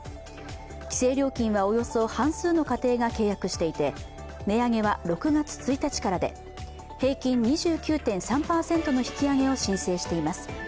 規制料金はおよそ半数の家庭が契約していて値上げは６月１日からで平均２９．３％の引き上げを申請しています。